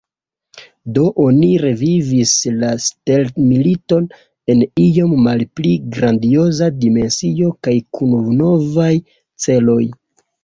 Do oni revivigis la stelmiliton, en iom malpli grandioza dimensio kaj kun novaj celoj.